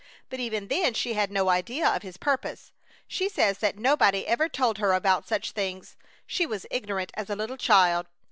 But even then she had no idea of his purpose. She says that nobody ever told her about such things, she was ignorant as a little child!